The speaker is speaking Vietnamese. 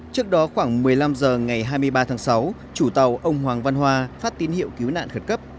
trước đó khoảng một mươi năm h ngày hai mươi ba tháng sáu chủ tàu ông hoàng văn hoa phát tín hiệu cứu nạn khẩn cấp